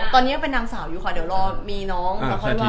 ตอนนี้ยังเป็นนางสาวอยู่ค่ะเดี๋ยวรอมีน้องแล้วค่อยว่า